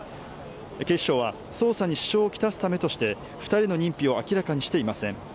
警視庁は捜査に支障を来すためとして２人の認否を明らかにしていません。